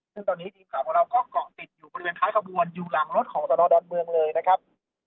ซึ่งตอนนี้ทีมข่าวของเราก็เกาะติดอยู่บริเวณท้ายขบวนอยู่หลังรถของสนดอนเมืองเลยนะครับ